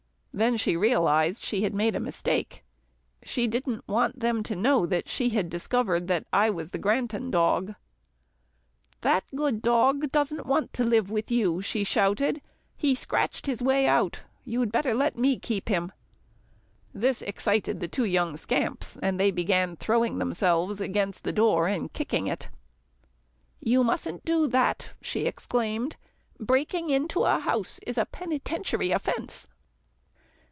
Then she realised she had made a mistake. She didn't want them to know she had discovered I was the Granton dog. "That good dog doesn't want to live with you," she shouted. "He scratched his way out. You'd better let me keep him." This excited the two young scamps, and they began throwing themselves against the door and kicking at it. "You mustn't do that," she exclaimed, "breaking into a house is a penitentiary offence."